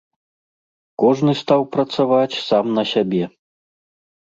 Кожны стаў працаваць сам на сябе.